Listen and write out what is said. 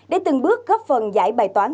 để từng bước góp phần giải bài toán